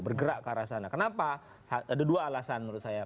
bergerak ke arah sana kenapa ada dua alasan menurut saya